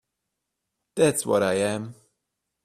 That's what I am.